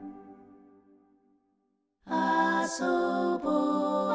「あそぼ」